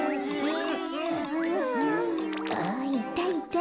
あっいたいた。